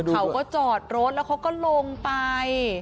เขาก็จอดรถแล้วเขาก็ลงไป